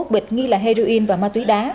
hai mươi một bịch nghi là heroin và ma túy đá